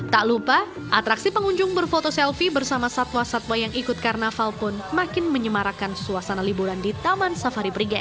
tak lupa atraksi pengunjung berfoto selfie bersama satwa satwa yang ikut karnaval pun makin menyemarakan suasana liburan di taman safari prigen